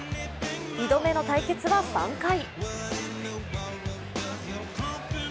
二度目の対決は３回。